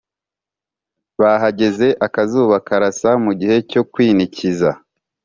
bahageze akazuba karasa mugihe cyo kwinikiza